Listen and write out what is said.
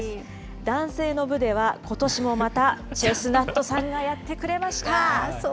男性の部では、ことしもまたチェスナットさんがやってくれました。